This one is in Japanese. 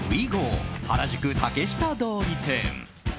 原宿竹下通り店。